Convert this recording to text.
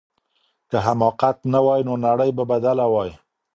که حماقت نه وای نو نړۍ به بدله وای.